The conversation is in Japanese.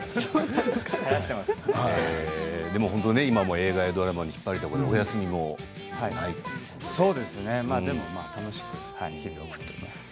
今も映画やドラマで引っ張りだこでお休みもそうですねでも楽しく日々を送っています。